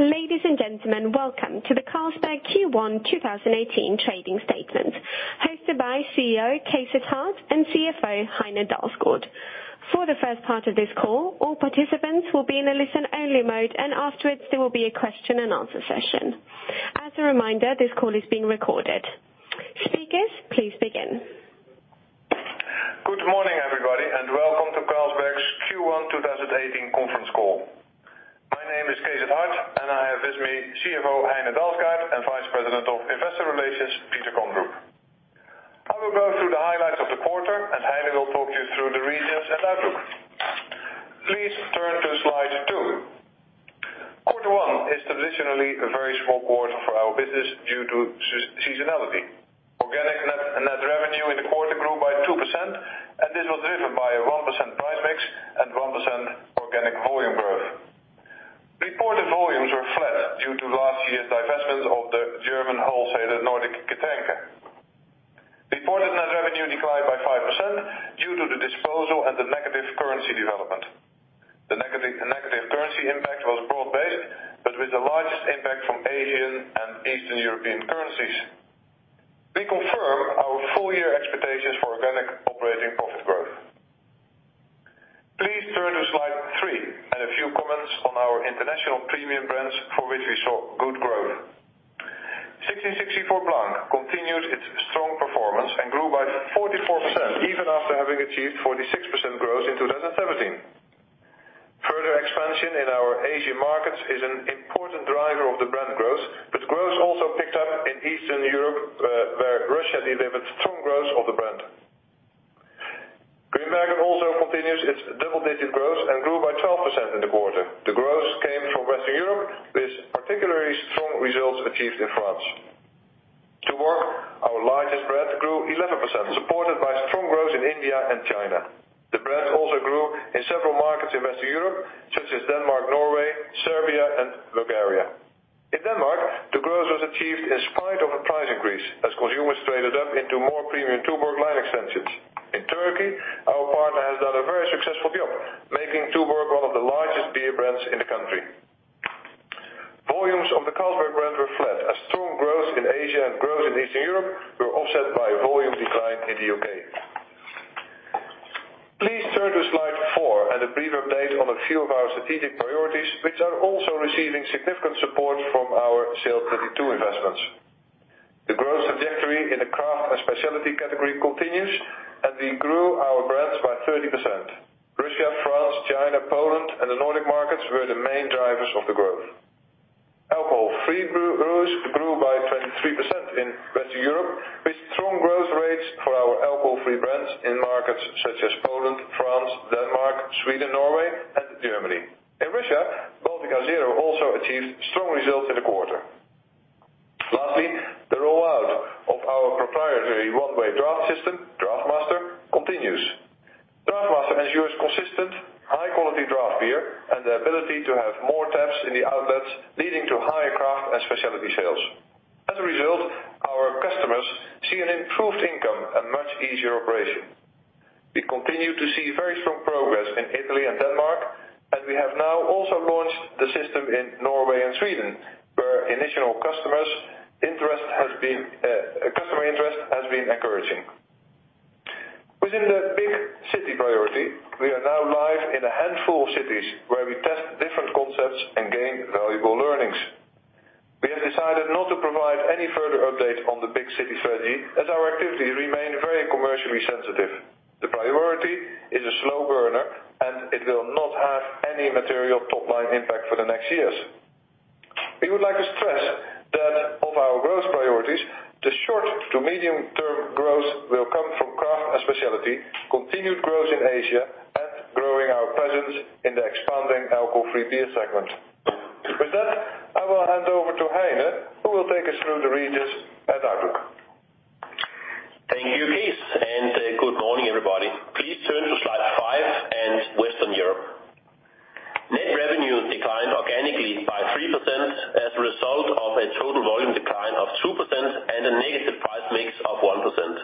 Ladies and gentlemen, welcome to the Carlsberg Q1 2018 trading statement, hosted by CEO Cees 't Hart and CFO Heine Dalsgaard. For the first part of this call, all participants will be in a listen-only mode, and afterwards, there will be a question and answer session. As a reminder, this call is being recorded. Speakers, please begin. Good morning, everybody. Welcome to Carlsberg's Q1 2018 conference call. My name is Cees 't Hart. I have with me CFO Heine Dalsgaard and Vice President of Investor Relations, Peter Kondrup. I will go through the highlights of the quarter. Heine will talk you through the regions and outlook. Please turn to Slide 2. Quarter one is traditionally a very small quarter for our business due to seasonality. Organic net revenue in the quarter grew by 2%. This was driven by a 1% price mix and 1% organic volume growth. Reported volumes were flat due to last year's divestment of the German wholesaler Nordic Getränke. Reported net revenue declined by 5% due to the disposal and the negative currency development. The negative currency impact was broad-based, with the largest impact from Asian and Eastern European currencies. We confirm our full-year expectations for organic operating profit growth. Please turn to Slide 3. A few comments on our international premium brands for which we saw good growth. 1664 Blanc continues its strong performance and grew by 44%, even after having achieved 46% growth in 2017. Further expansion in our Asian markets is an important driver of the brand growth. Growth also picked up in Eastern Europe, where Russia delivered strong growth of the brand. Grimbergen also continues its double-digit growth and grew by 12% in the quarter. The growth came from Western Europe, with particularly strong results achieved in France. Tuborg, our largest brand, grew 11%, supported by strong growth in India and China. The brand also grew in several markets in Western Europe, such as Denmark, Norway, Serbia, and Bulgaria. In Denmark, the growth was achieved in spite of a price increase as consumers traded up into more premium Tuborg line extensions. In Turkey, our partner has done a very successful job, making Tuborg one of the largest beer brands in the country. Volumes of the Carlsberg brand were flat as strong growth in Asia and growth in Eastern Europe were offset by volume decline in the U.K. Please turn to Slide 4. A brief update on a few of our strategic priorities, which are also receiving significant support from our SAIL'22 investments. The growth trajectory in the craft and specialty category continues. We grew our brands by 30%. Russia, France, China, Poland, and the Nordic markets were the main drivers of the growth. Alcohol-free brews grew by 23% in Western Europe, with strong growth rates for our alcohol-free brands in markets such as Poland, France, Denmark, Sweden, Norway, and Germany. In Russia, Baltika 0 also achieved strong results in the quarter. Lastly, the rollout of our proprietary one-way draught system, DraughtMaster, continues. DraughtMaster ensures consistent, high-quality draught beer and the ability to have more taps in the outlets, leading to higher craft and specialty sales. As a result, our customers see an improved income and much easier operation. We continue to see very strong progress in Italy and Denmark, and we have now also launched the system in Norway and Sweden, where initial customer interest has been encouraging. Within the Big City Priority, we are now live in a handful of cities where we test different concepts and gain valuable learnings. We have decided not to provide any further updates on the Big City Strategy as our activities remain very commercially sensitive. The priority is a slow burner, it will not have any material top-line impact for the next years. We would like to stress that of our growth priorities, the short to medium-term growth will come from craft and specialty, continued growth in Asia, and growing our presence in the expanding alcohol-free beer segment. With that, I will hand over to Heine, who will take us through the regions and outlook. Thank you, Cees. Good morning, everybody. Please turn to Slide 5. Western Europe. Net revenue declined organically by 3% as a result of a total volume decline of 2% and a negative price mix of 1%.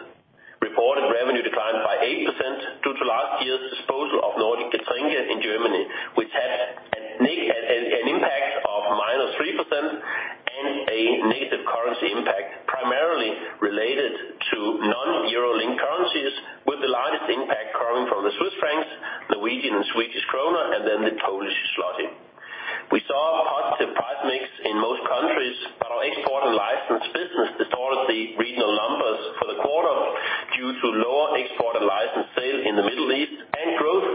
Reported revenue declined by 8% due to last year's disposal of Nordic Getränke in Germany, which had an impact of -3% and a negative currency impact, primarily related to non-euro-linked currencies, with the largest impact coming from the CHF, NOK and SEK, and then the PLN. We saw a positive price mix in most countries, our export and licensed business distorted the regional numbers for the quarter due to lower export and licensed sales in the Middle East and growth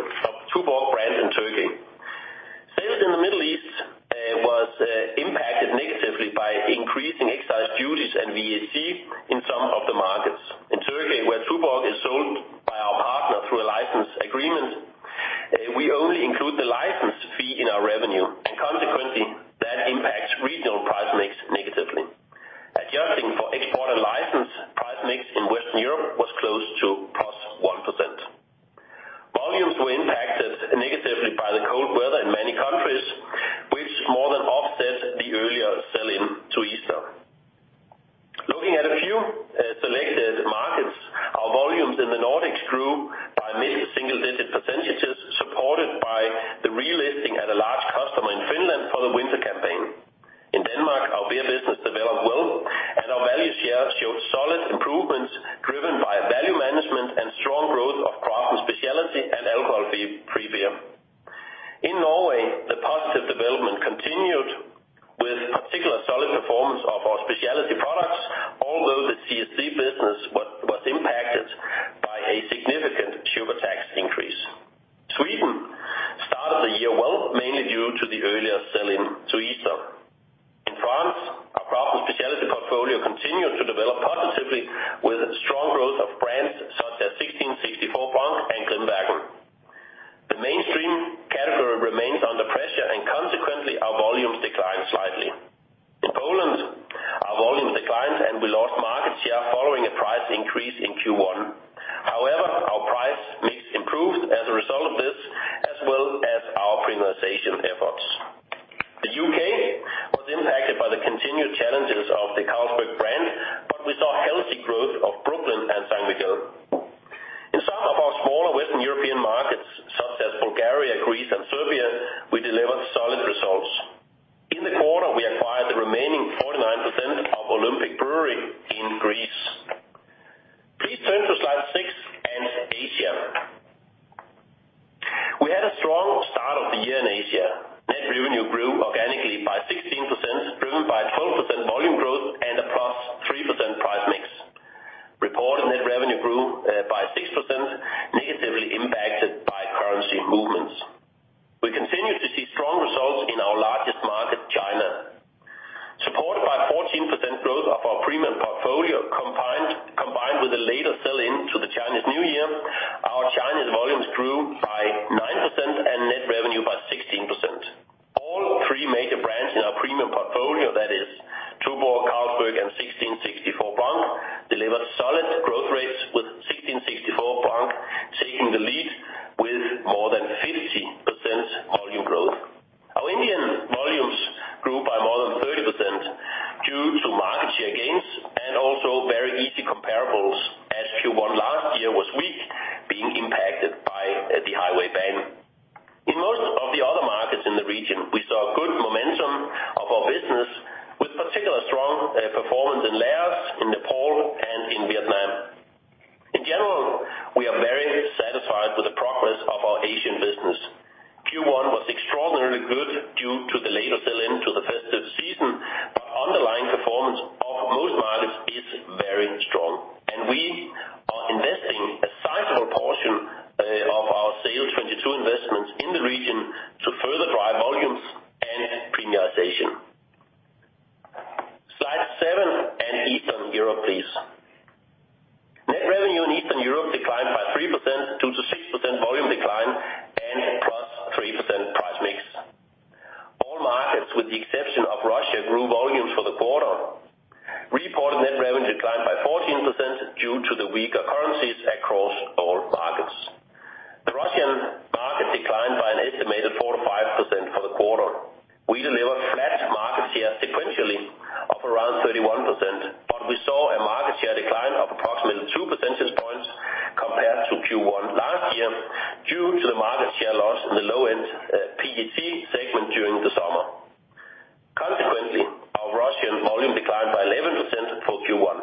our Russian volume declined by 11% for Q1.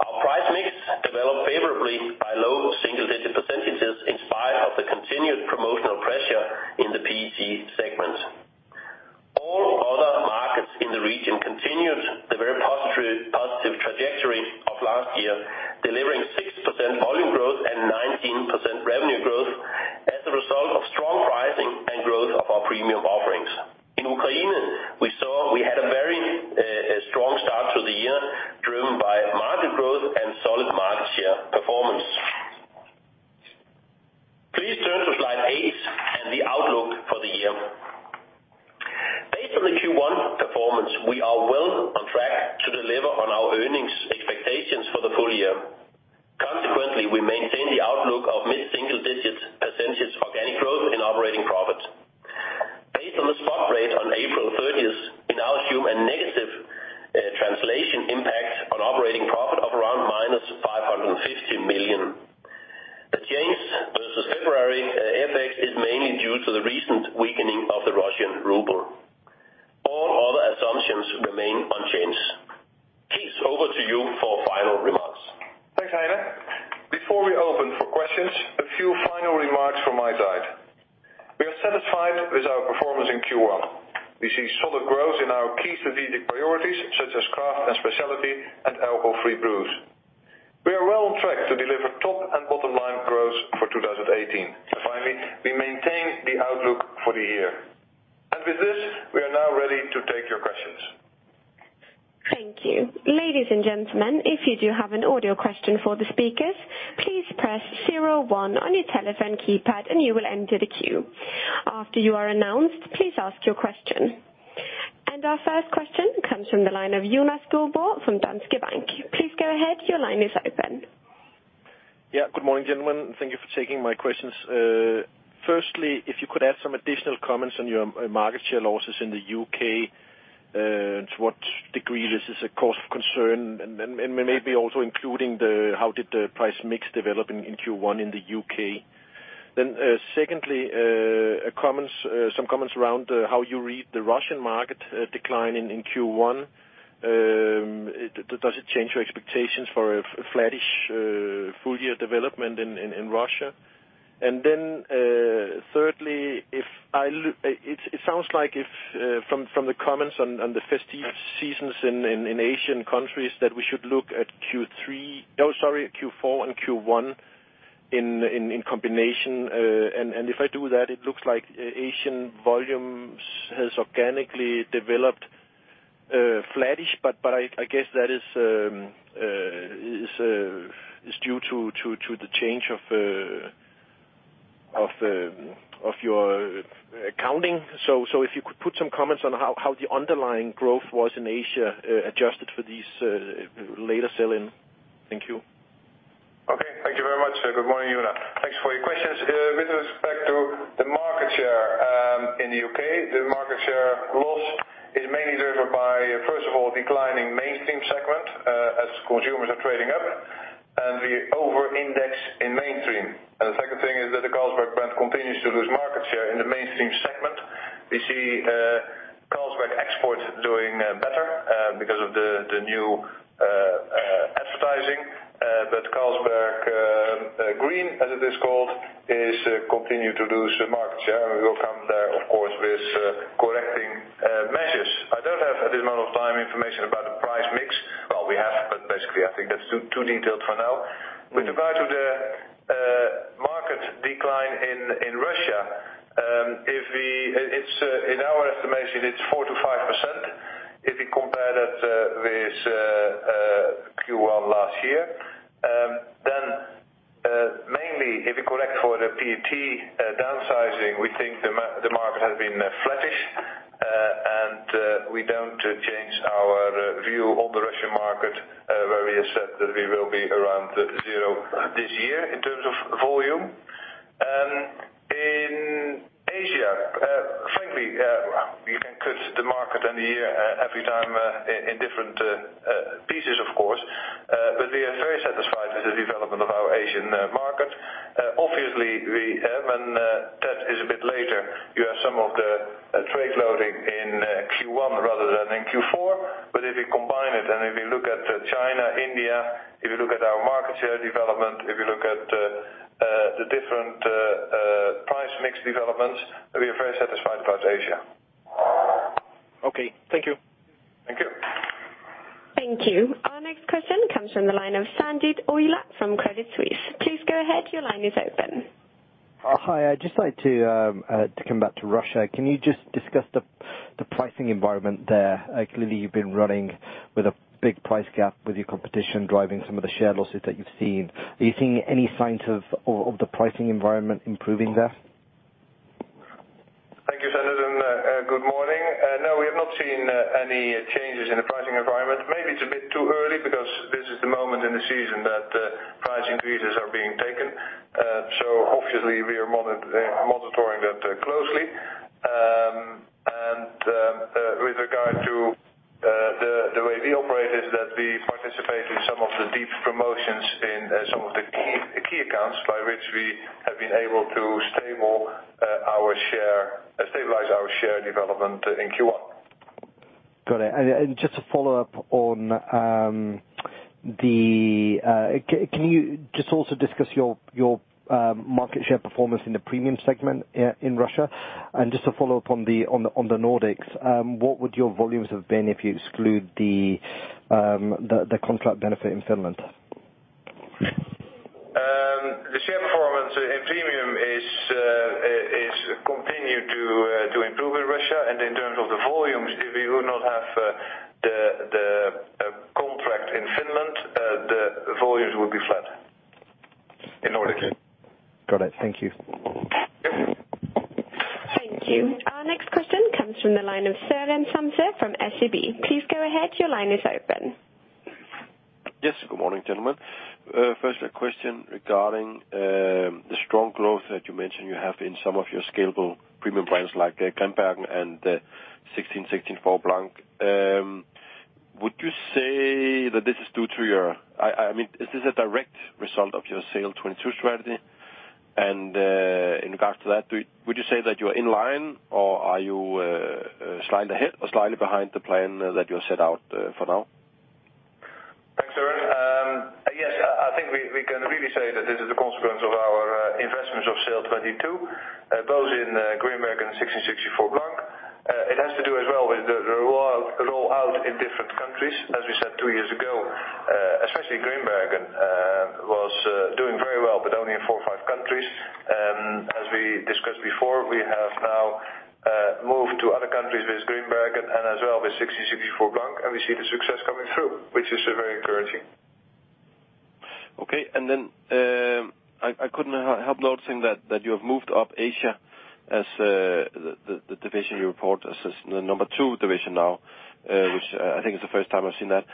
Our price mix developed favorably by low single-digit percentages in spite of the continued promotional pressure in the PET segment. All other markets in the region continued the very positive trajectory of last year, delivering 6% volume growth and 19% revenue growth as a result of strong pricing and growth of our premium offerings. In Ukraine, we had a very strong start to the year driven by market growth and solid market share performance. Please turn to slide eight and the outlook for the year. Based on the Q1 performance, we are well on track to deliver on our earnings expectations for the full year. Consequently, we maintain the outlook of mid-single-digit % organic growth in operating profit. to what degree this is a cause for concern, and maybe also including how did the price mix develop in Q1 in the U.K. Secondly, some comments around how you read the Russian market decline in Q1. Does it change your expectations for a flattish full year development in Russia? Then thirdly, it sounds like if, from the comments on the festive seasons in Asian countries, that we should look at Q4 and Q1 in combination. If I do that, it looks like Asian volumes has organically developed flattish, but I guess that is due to the change of your accounting. So if you could put some comments on how the underlying growth was in Asia, adjusted for these later sell-in. Thank you. Okay. Thank you very much. Good morning, Jonas. Thanks for your questions. With respect to the market share in the U.K., the market share loss is mainly driven by, first of all, declining mainstream segment as consumers are trading up, and we over-index in mainstream. The second thing is that the Carlsberg brand continues to lose market share in the mainstream segment. We see Carlsberg Expørt doing better because of the new advertising. Carlsberg Green, as it is called, is continuing to lose market share, and we will come there, of course, with correcting measures. I don't have, at this moment of time, information about the price mix. Well, we have, but basically, I think that's too detailed for now. With regard to the market decline in Russia, in our estimation, it's 4%-5% if we compare that with Q1 last year. Mainly, if we correct for the PET downsizing, we think the market has been flattish. We don't change our view on the Russian market, where we have said that we will be around zero this year in terms of volume. In Asia, frankly, you can cut the market and the year every time in different pieces, of course. We are very satisfied with the development of our Asian market. Obviously, we have, and that is a bit later, you have some of the trade loading in Q1 rather than in Q4. If we combine it and if we look at China, India, if we look at our market share development, if we look at the different price mix developments, we are very satisfied about Asia. Okay. Thank you. Thank you. Thank you. Our next question comes from the line of Sanjeet Aujla from Credit Suisse. Please go ahead, your line is open. Hi. I'd just like to come back to Russia. Can you just discuss the pricing environment there? Clearly, you've been running with a big price gap with your competition driving some of the share losses that you've seen. Are you seeing any signs of the pricing environment improving there? Thank you, Sanjeet. Good morning. No, we have not seen any changes in the pricing environment. Maybe it's a bit too early because this is the moment in the season that price increases are being taken. Obviously, we are monitoring that closely. With regard to the way we operate is that we participate in some of the deep promotions in some of the key accounts, by which we have been able to stabilize our share development in Q1. Got it. Can you just also discuss your market share performance in the premium segment in Russia? Just to follow up on the Nordics, what would your volumes have been if you exclude the contract benefit in Finland? The share performance in premium is continued to improve in Russia. In terms of the volumes, if we would not have the contract in Finland, the volumes would be flat in Nordics. Got it. Thank you. Yep. Thank you. Our next question comes from the line of Søren Samsøe from SEB. Please go ahead, your line is open. Yes. Good morning, gentlemen. First, a question regarding the strong growth that you mentioned you have in some of your scalable premium brands like Grimbergen and the 1664 Blanc. Is this a direct result of your SAIL'22 strategy? In regards to that, would you say that you are in line or are you slightly ahead or slightly behind the plan that you set out for now? Thanks, Søren. Yes, I think we can really say that this is a consequence of our investments of SAIL'22, both in Grimbergen and 1664 Blanc. It has to do as well with the roll out in different countries. As we said two years ago, especially Grimbergen was doing very well, but only in four or five countries. As we discussed before, we have now moved to other countries with Grimbergen and as well with 1664 Blanc, and we see the success coming through, which is very encouraging. Okay. I couldn't help noticing that you have moved up Asia As the division you report as the number 2 division now, which I think is the first time I've seen that.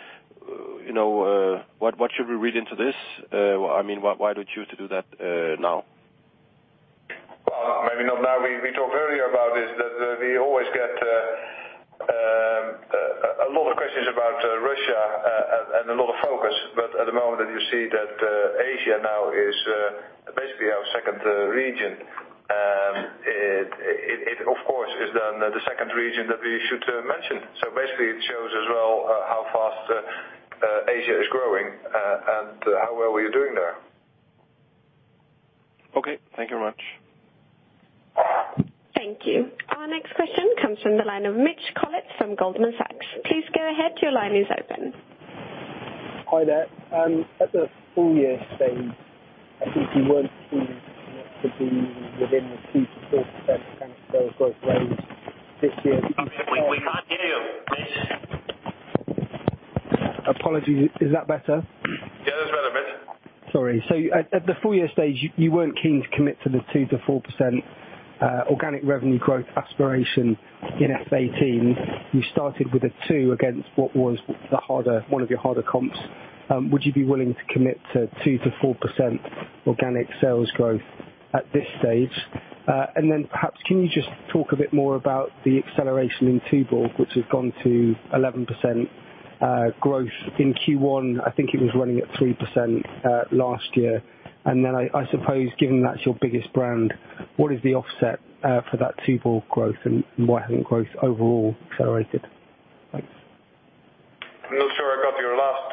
What should we read into this? Why did you choose to do that now? Maybe not now. We talked earlier about this, that we always get a lot of questions about Russia and a lot of focus. At the moment you see that Asia now is basically our second region. It, of course, is then the second region that we should mention. Basically it shows as well how fast Asia is growing and how well we're doing there. Thank you very much. Thank you. Our next question comes from the line of Mitch Collett from Goldman Sachs. Please go ahead. Your line is open. Hi there. At the full year stage, I think you weren't keen to commit to the 2%-4% organic sales growth range this year. We can't hear you, Mitch. Apologies. Is that better? Yeah, that's better, Mitch. Sorry. At the full year stage, you weren't keen to commit to the 2%-4% organic revenue growth aspiration in FY 2018. You started with a two against what was one of your harder comps. Would you be willing to commit to 2%-4% organic sales growth at this stage? Perhaps, can you just talk a bit more about the acceleration in Tuborg, which has gone to 11% growth in Q1? I think it was running at 3% last year. I suppose given that's your biggest brand, what is the offset for that Tuborg growth and why hasn't growth overall accelerated? Thanks. I'm not sure I got your last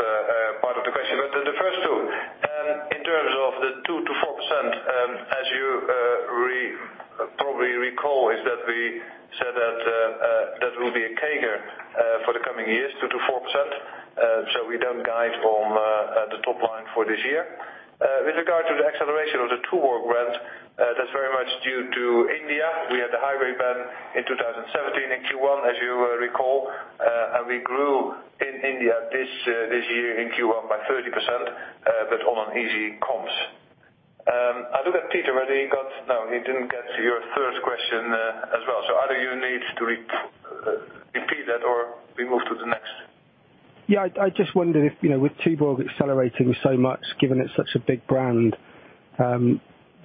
part of the question, but the first two. In terms of the 2% to 4%, as you probably recall, is that we said that that will be a CAGR for the coming years, 2% to 4%. We don't guide on the top line for this year. With regard to the acceleration of the Tuborg brand, that's very much due to India. We had the highway ban in 2017 in Q1, as you will recall, and we grew in India this year in Q1 by 30%, but on an easy comps. I look at Peter, whether he got No, he didn't get your third question as well. Either you need to repeat that or we move to the next. Yeah, I just wondered if, with Tuborg accelerating so much, given it's such a big brand,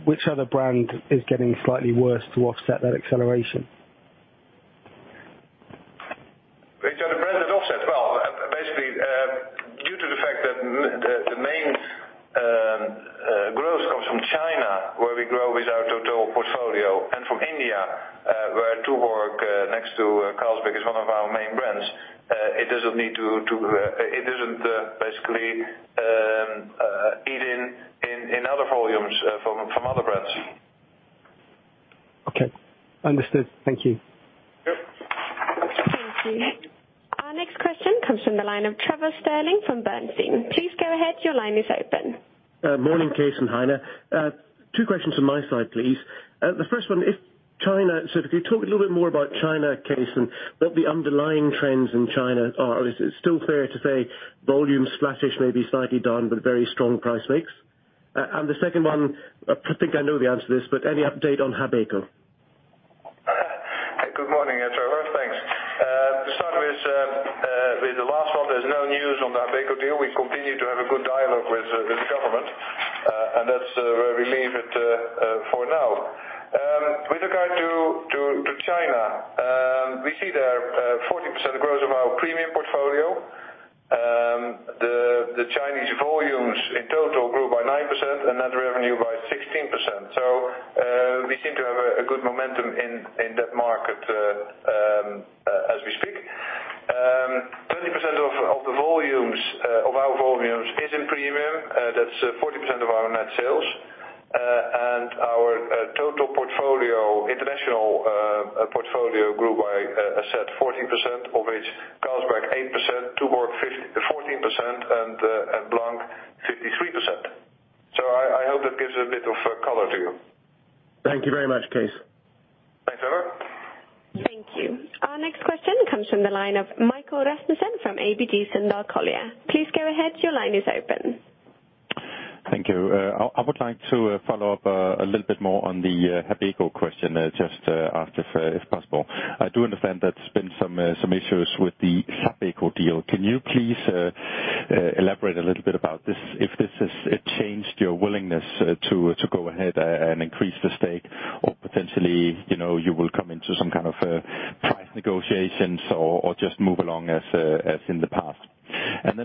which other brand is getting slightly worse to offset that acceleration? Which other brand has offset? Well, basically, due to the fact that the main growth comes from China, where we grow with our total portfolio, and from India, where Tuborg, next to Carlsberg, is one of our main brands. It doesn't basically eat in other volumes from other brands. Okay. Understood. Thank you. Yep. Thank you. Our next question comes from the line of Trevor Stirling from Bernstein. Please go ahead. Your line is open. Morning, Cees and Heine. Two questions from my side, please. The first one, if you talk a little bit more about China, Cees, and what the underlying trends in China are. Is it still fair to say volume flattish may be slightly down, but very strong price mix? The second one, I think I know the answer to this, but any update on Habeco? Good morning, Trevor. Thanks. To start with the last one, there's no news on the Habeco deal. We continue to have a good dialogue with the government. That's where we leave it for now. With regard to China, we see their 14% growth of our premium portfolio. The Chinese volumes in total grew by 9% and net revenue by 16%. We seem to have a good momentum in that market as we speak. 20% of our volumes is in premium. That's 40% of our net sales. Our total international portfolio grew by a set 14%, of which Carlsberg 8%, Tuborg 14% and Blanc 53%. I hope that gives a bit of color to you. Thank you very much, Cees. Thanks, Trevor. Thank you. Our next question comes from the line of Michael Rasmussen from ABG Sundal Collier. Please go ahead. Your line is open. Thank you. I would like to follow up a little bit more on the Habeco question just after, if possible. I do understand that there's been some issues with the Sabeco deal. Can you please elaborate a little bit about this, if this has changed your willingness to go ahead and increase the stake or potentially, you will come into some kind of price negotiations or just move along as in the past?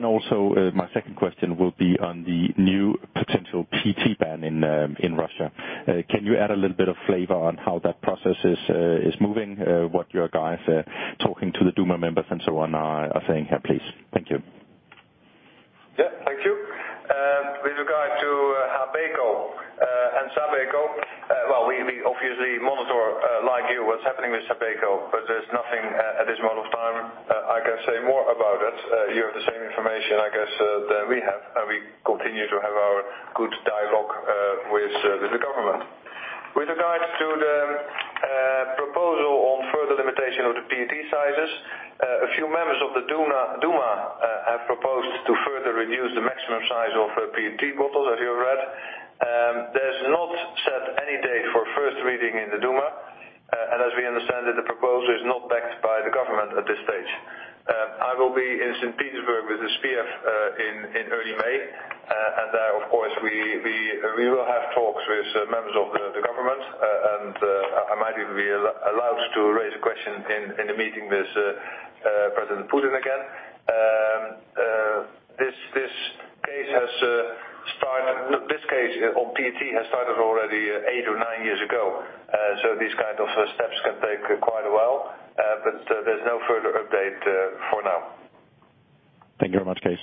Also my second question will be on the new potential PET ban in Russia. Can you add a little bit of flavor on how that process is moving, what your guys talking to the Duma members and so on are saying here, please? Thank you. Yeah. Thank you. With regard to Habeco and Sabeco, well, we obviously monitor, like you, what's happening with Sabeco, but there's nothing at this moment of time I can say more about it. You have the same information, I guess, that we have, and we continue to have our good dialogue with the government. With regards to the proposal of the PET sizes. A few members of the Duma have proposed to further reduce the maximum size of PET bottles, as you have read. There's not set any date for first reading in the Duma, and as we understand it, the proposal is not backed by the government at this stage. I will be in St. Petersburg with the SPIEF in early May. There, of course, we will have talks with members of the government. I might even be allowed to raise a question in the meeting with President Putin again. This case on PET has started already eight or nine years ago. These kind of steps can take quite a while, but there's no further update for now. Thank you very much, Cees.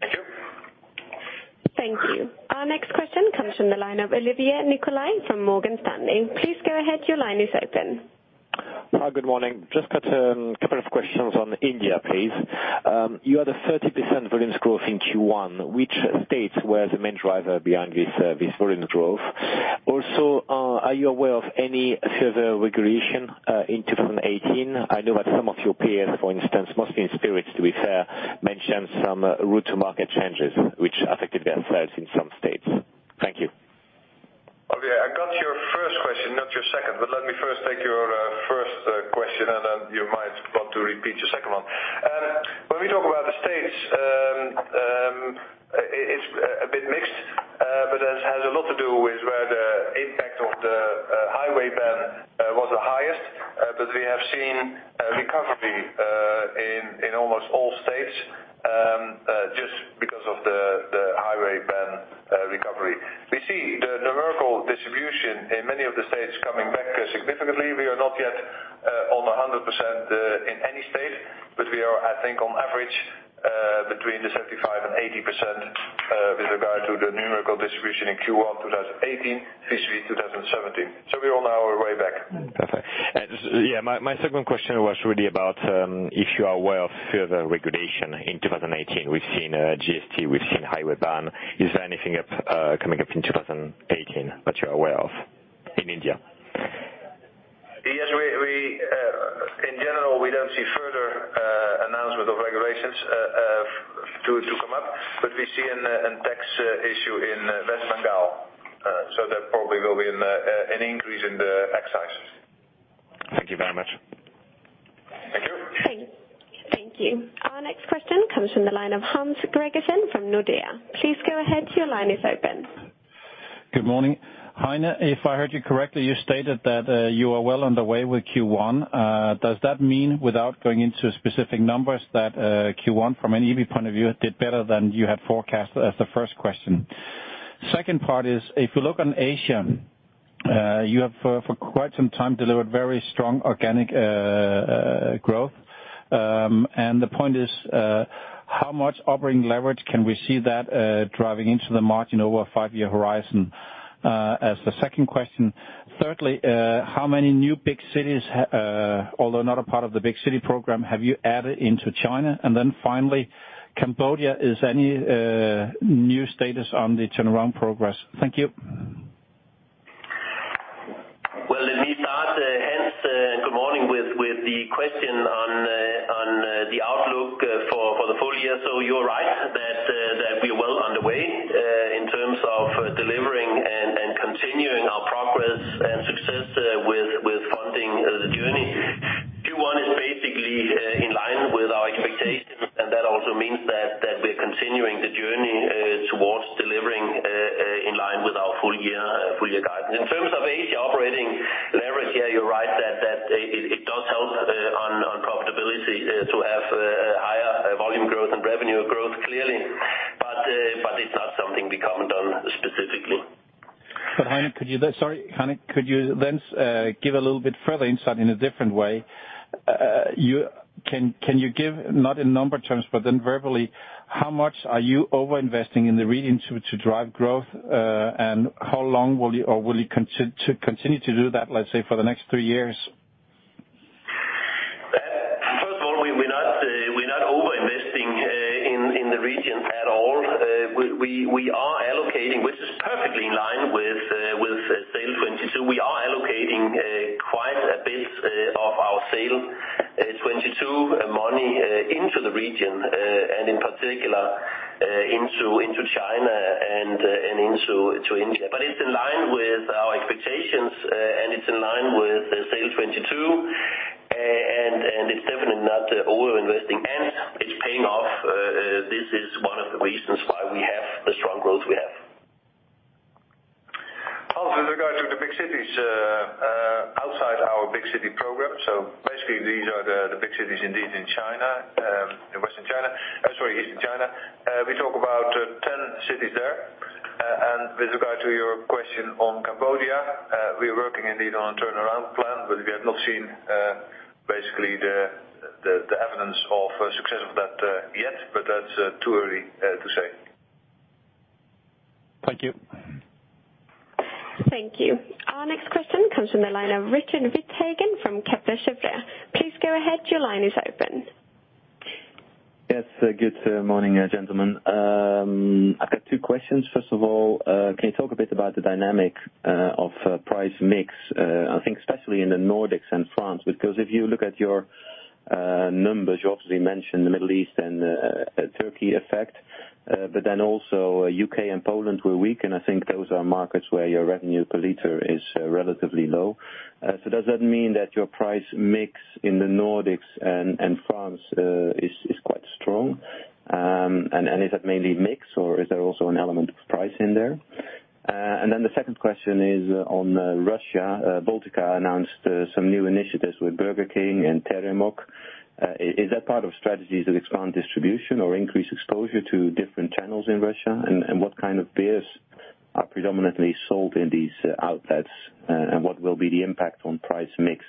Thank you. Thank you. Our next question comes from the line of Olivier Nicolai from Morgan Stanley. Please go ahead, your line is open. Hi. Good morning. Just got 2 questions on India, please. You had a 30% volumes growth in Q1. Which states were the main driver behind this volumes growth? Also, are you aware of any further regulation in 2018? I know that some of your peers, for instance, mostly in spirits, to be fair, mentioned some route to market changes which affected their sales in some states. Thank you. Olivier, I got your first question, not your second. Let me first take your first question, and then you might want to repeat your second one. When we talk about the states, it's a bit mixed. This has a lot to do with where the impact of the highway ban was the highest. We have seen a recovery in almost all states, just because of the highway ban recovery. We see the numerical distribution in many of the states coming back significantly. We are not yet on 100% in any state. We are, I think, on average between the 75% and 80% with regard to the numerical distribution in Q1 2018 vis-a-vis 2017. We're on our way back. Perfect. My second question was really about if you are aware of further regulation in 2018. We've seen GST, we've seen highway ban. Is there anything coming up in 2018 that you're aware of in India? Yes, in general, we don't see further announcement of regulations to come up. We see a tax issue in West Bengal. There probably will be an increase in the excises. Thank you very much. Thank you. Thank you. Our next question comes from the line of Hans Gregersen from Nordea. Please go ahead, your line is open. Good morning. Heine, if I heard you correctly, you stated that you are well underway with Q1. Does that mean, without going into specific numbers, that Q1, from an EBIT point of view, did better than you had forecasted as the first question? The second part is, if you look on Asia, you have for quite some time delivered very strong organic growth. The point is, how much operating leverage can we see that driving into the margin over a five-year horizon as the second question? Thirdly, how many new big cities, although not a part of the Big City Program, have you added into China? Then finally, Cambodia, is any new status on the turnaround progress? Thank you. Well, let me start, Hans, good morning, with the question on the outlook for the full year. You're right that we're well underway in terms of delivering and continuing our progress and success with Funding the Journey. Q1 is basically in line with our expectations, and that also means that we're continuing the journey towards delivering in line with our full year guidance. In terms of Asia operating leverage, yeah, you're right that it does help on profitability to have a higher volume growth and revenue growth, clearly. It's not something we comment on specifically. Heine, could you then give a little bit further insight in a different way? Can you give, not in number terms, but verbally, how much are you over-investing in the region to drive growth? How long will you, or will you continue to do that, let's say, for the next three years? First of all, we're not over-investing in the region at all. We are allocating, which is perfectly in line with SAIL'22. We are allocating quite a bit of our SAIL'22 money into the region, and in particular, into China and into India. It's in line with our expectations, it's in line with SAIL'22, it's definitely not over-investing, and it's paying off. This is one of the reasons why we have the strong growth we have. Hans, with regard to the big cities outside our big city program, basically these are the big cities indeed in China, in Eastern China. We talk about 10 cities there. With regard to your question on Cambodia, we are working indeed on a turnaround plan, we have not seen basically the evidence of success of that yet, that's too early to say. Thank you. Thank you. Our next question comes from the line of Richard Withagen from Kepler Cheuvreux. Please go ahead, your line is open. Yes. Good morning, gentlemen. I've got two questions. First of all, can you talk a bit about the dynamic of price mix, I think especially in the Nordics and France. If you look at your numbers, you obviously mentioned the Middle East and Turkey effect, but then also U.K. and Poland were weak, and I think those are markets where your revenue per liter is relatively low. Does that mean that your price mix in the Nordics and France is quite strong? Is that mainly mix or is there also an element of price in there? The second question is on Russia. Baltika announced some new initiatives with Burger King and Teremok. Is that part of strategies to expand distribution or increase exposure to different channels in Russia? What kind of beers are predominantly sold in these outlets, and what will be the impact on price mix?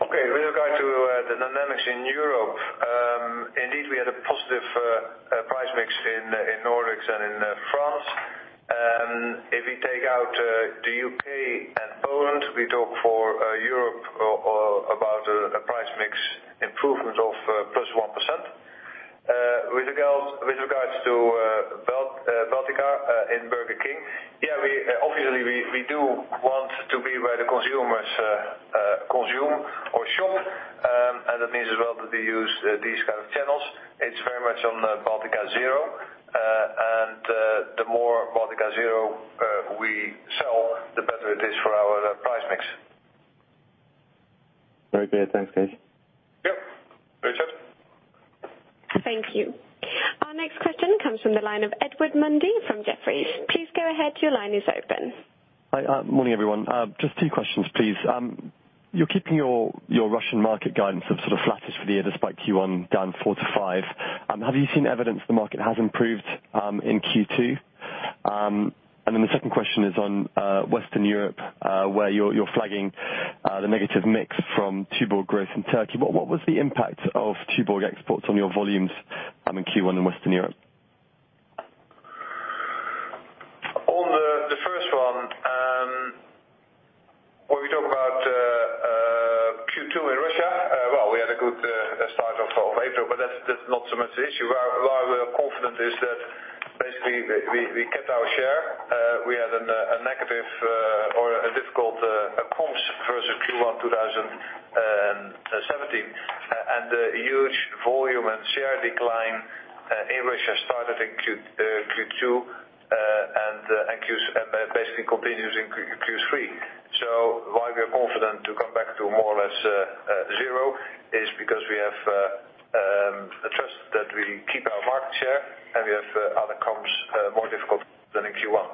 Okay. With regard to the dynamics in Europe, indeed, we had a positive price mix in Nordics and in France. If we take out the U.K. and Poland, we talk for Europe about a price mix improvement of plus 1%. With regards to Baltika in Burger King, yeah, obviously we do want to be where the consumers consume or shop, and that means as well that we use these kind of channels. It's very much on Baltika Zero. The more Baltika Zero we sell, the better it is for our price mix. Very clear. Thanks, Cees. Yep. Richard. Thank you. Our next question comes from the line of Edward Mundy from Jefferies. Please go ahead. Your line is open. Hi, morning everyone. Just two questions, please. You're keeping your Russian market guidance of flattish for the year despite Q1 down 4% to 5%. Have you seen evidence the market has improved in Q2? The second question is on Western Europe, where you're flagging the negative mix from Tuborg growth in Turkey. What was the impact of Tuborg exports on your volumes in Q1 in Western Europe? On the first one, where we talk about Q2 in Russia, well, we had a good start of April. That's not so much the issue. Why we're confident is that basically we kept our share. We had a negative or a difficult comps versus Q1 2017, and the huge volume and share decline in Russia started in Q2 and basically continues in Q3. Why we are confident to come back to more or less zero is because we have a trust that we keep our market share, and we have other comps more difficult than in Q1.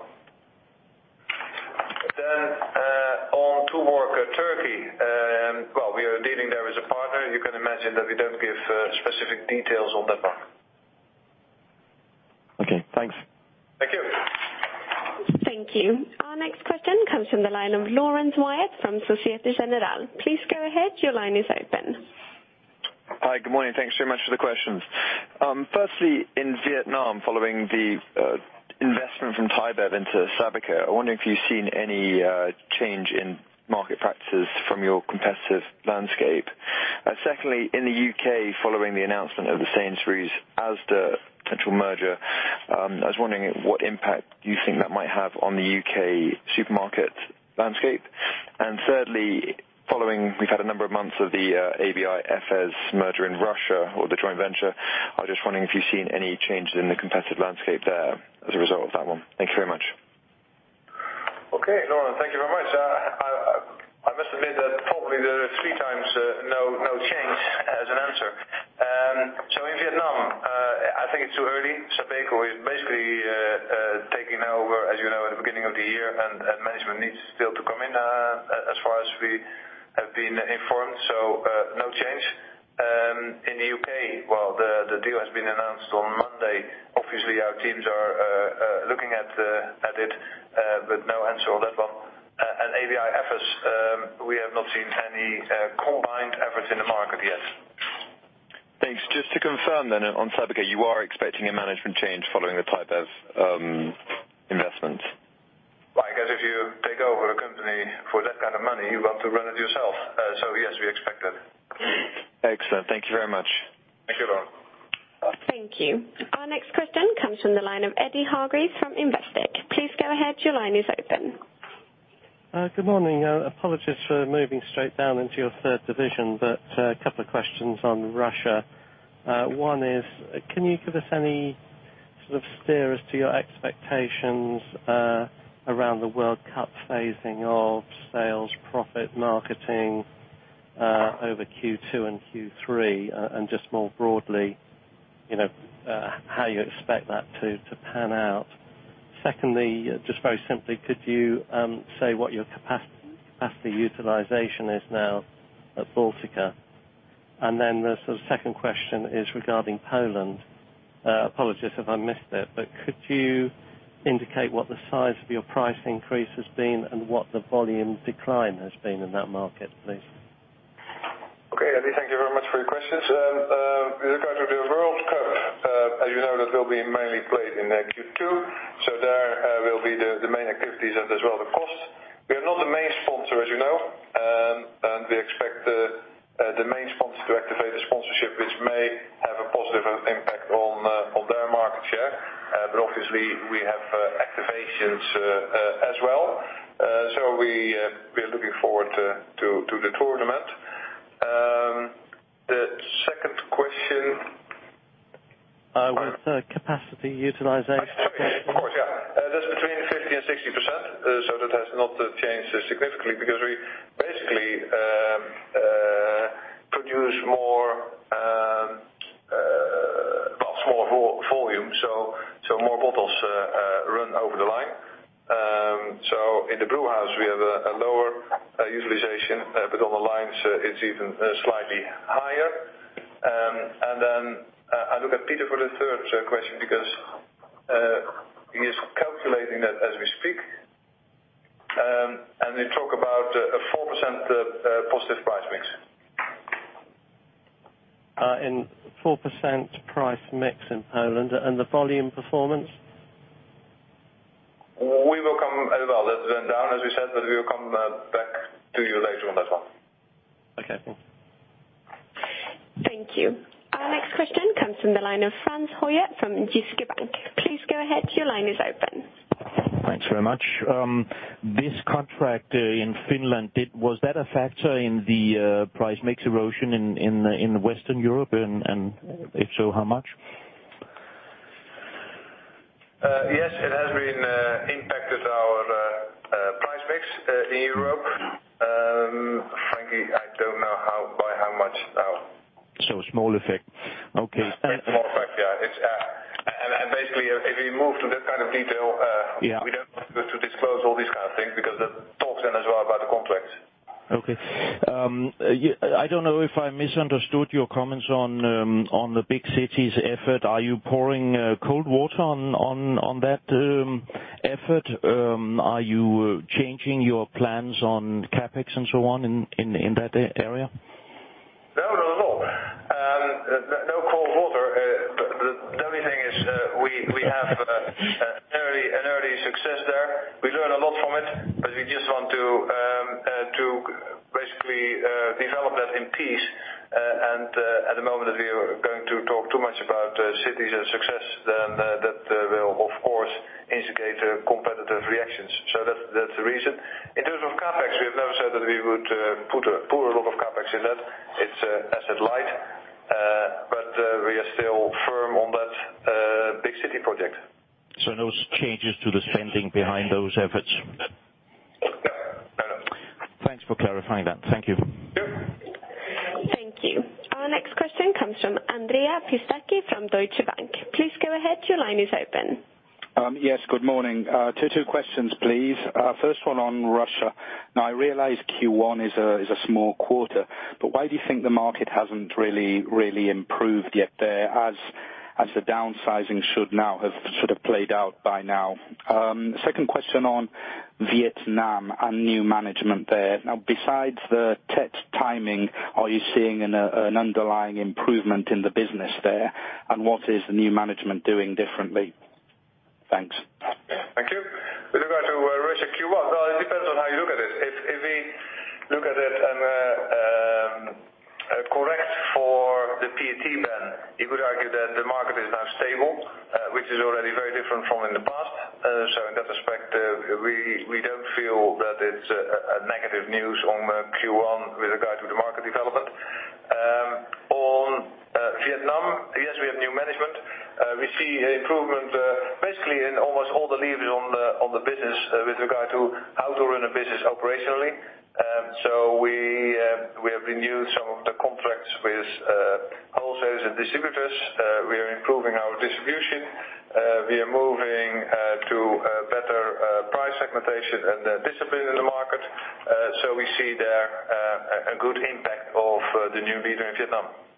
On Tuborg Turkey, well, we are dealing there as a partner. You can imagine that we don't give specific details on that one. Okay, thanks. Thank you. Thank you. Our next question comes from the line of Laurence Whyatt from Société Générale. Please go ahead. Your line is open. Hi, good morning. Thanks very much for the questions. Firstly, in Vietnam, following the investment from ThaiBev into Sabeco, I wonder if you've seen any change in market practices from your competitive landscape. Secondly, in the U.K., following the announcement of the Sainsbury's Asda potential merger, I was wondering what impact you think that might have on the U.K. supermarket landscape. Thirdly, following, we've had a number of months of the ABI EFES merger in Russia or the joint venture. I was just wondering if you've seen any changes in the competitive landscape there as a result of that one. Thank you very much. Okay, Laurence, thank you very much. I must admit that probably there are three times no change as an answer. In Vietnam, I think it's too early. Sabeco is basically taking over, as you know, at the beginning of the year, and management needs still to come in, as far as we have been informed. So, no change. In the U.K., while the deal has been announced on Monday, obviously our teams are looking at it, but no answer on that one. ABI EFES, we have not seen any combined efforts in the market yet. Thanks. Just to confirm then on Sabeco, you are expecting a management change following the ThaiBev investment? I guess if you take over a company for that kind of money, you want to run it yourself. Yes, we expect that. Excellent. Thank you very much. Thank you, Laurence. Thank you. Our next question comes from the line of Eddy Hargreaves from Investec. Please go ahead. Your line is open. Good morning. Apologies for moving straight down into your third division. A couple of questions on Russia. One is, can you give us any sort of steer as to your expectations around the World Cup phasing of sales, profit, marketing over Q2 and Q3? Just more broadly how you expect that to pan out. Secondly, just very simply, could you say what your capacity utilization is now at Baltika? The second question is regarding Poland. Apologies if I missed it. Could you indicate what the size of your price increase has been and what the volume decline has been in that market, please? Okay, Eddy, thank you very much for your questions. With regard to the World Cup. That will be mainly played in Q2. There will be the main activities and as well the cost. We are not the main sponsor, as you know. We expect the main sponsor to activate the sponsorship, which may have a positive impact on their market share. Obviously we have activations as well. We are looking forward to the tournament. The second question? Was the capacity utilization. Of course, yeah. That's between 50% and 60%. That has not changed significantly because we basically produce more volume, so more bottles run over the line. In the brewhouse we have a lower utilization. On the lines it's even slightly higher. I look at Peter for the third question because he is calculating that as we speak. You talk about a 4% positive price mix. 4% price mix in Poland. The volume performance? Well, that went down as we said, we will come back to you later on that one. Okay, cool. Thank you. Our next question comes from the line of Frans Hoyer from Jyske Bank. Please go ahead. Your line is open. Thanks very much. This contract in Finland, was that a factor in the price mix erosion in Western Europe, and if so, how much? Yes, it has impacted our price mix in Europe. Frankly, I don't know by how much now. A small effect. Okay. A small effect, yeah. Basically, if we move to that kind of detail- Yeah We don't want to disclose all these kind of things because that talks then as well about the contracts. Okay. I don't know if I misunderstood your comments on the big cities effort. Are you pouring cold water on that effort? Are you changing your plans on CapEx and so on in that area? No, not at all. No cold water. The only thing is we have an early success there. We learn a lot from it, but we just want to basically develop that in peace. At the moment, if we are going to talk too much about cities success, then that will of course instigate competitive reactions. That's the reason. In terms of CapEx, we have never said that we would put a lot of CapEx in that. It's asset light, but we are still firm on that big city project. No changes to the spending behind those efforts? No. Thanks for clarifying that. Thank you. Sure. Thank you. Our next question comes from Andrea Pistacchi from Deutsche Bank. Please go ahead. Your line is open. Yes, good morning. Two questions, please. First one on Russia. I realize Q1 is a small quarter, but why do you think the market hasn't really improved yet there, as the downsizing should have played out by now? Second question on Vietnam and new management there. Besides the PET timing, are you seeing an underlying improvement in the business there? What is the new management doing differently? Thanks. Thank you. With regard to Russia Q1, well, it depends on how you look at it. If we look at it and correct for the PET ban, you could argue that the market is now stable, which is already very different from in the past. In that respect, we don't feel that it's a negative news on Q1 with regard to the market development. On Vietnam, yes, we have new management. We see improvement basically in almost all the levers on the business with regard to how to run a business operationally. We have renewed some of the contracts with wholesalers and distributors. We are improving our distribution. We are moving to better price segmentation and discipline in the market. We see there a good impact of the new leader in Vietnam.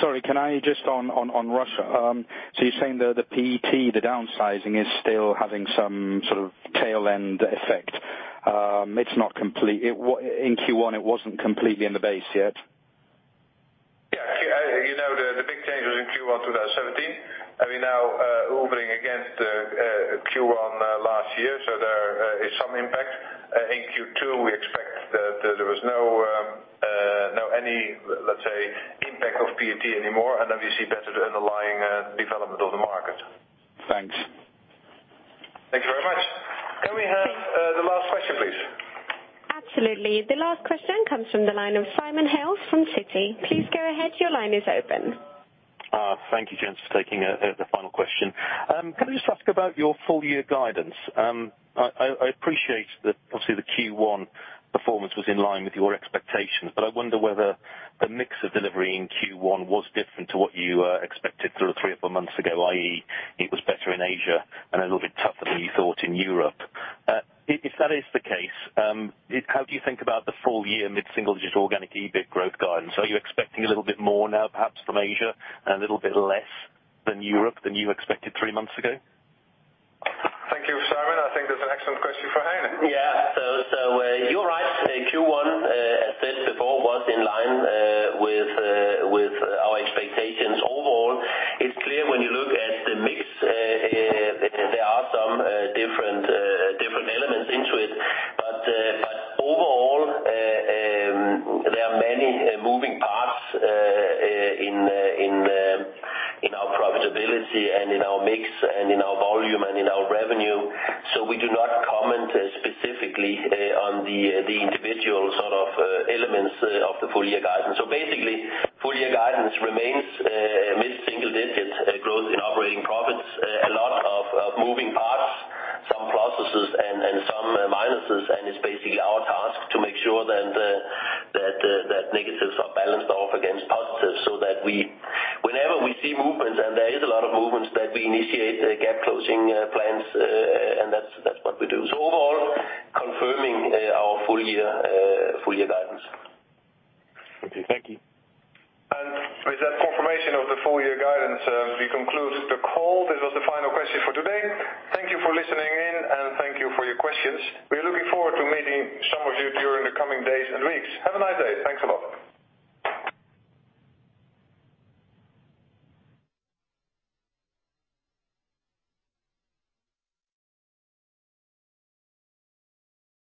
Sorry, can I just on Russia, you're saying the PET, the downsizing is still having some sort of tail end effect? In Q1 it wasn't completely in the base yet? Yeah. The big change was in Q1 2017, we're now hovering against Q1 last year, there is some impact. In Q2, we expect that there was not any, let's say, impact of PET anymore, we see better underlying development of the market. Thanks. Thank you very much. Can we have the last question, please? Absolutely. The last question comes from the line of Simon Hales from Citi. Please go ahead. Your line is open. Thank you, gents, for taking the final question. Can I just ask about your full year guidance? I appreciate that obviously the Q1 performance was in line with your expectations. I wonder whether the mix of delivery in Q1 was different to what you expected sort of three or four months ago, i.e., it was better in Asia and a little bit tougher than you thought in Europe. If that is the case, how do you think about the full year mid-single-digit organic EBIT growth guidance? Are you expecting a little bit more now perhaps from Asia and a little bit less than Europe than you expected three months ago? Thank you, Simon. I think that's an excellent question for Heine. Yeah. You're right. Q1, as said before, was in line with our expectations overall. It's clear when you look at the mix, there are some different elements into it. Overall, there are many moving parts in our profitability and in our mix and in